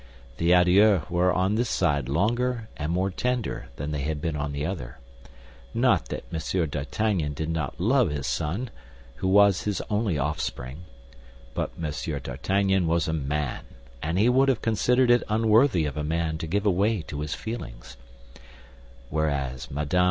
The adieux were on this side longer and more tender than they had been on the other—not that M. d'Artagnan did not love his son, who was his only offspring, but M. d'Artagnan was a man, and he would have considered it unworthy of a man to give way to his feelings; whereas Mme.